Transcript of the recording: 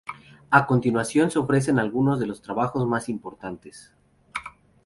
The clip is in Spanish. A continuación se ofrecen algunos de los trabajos más importantes.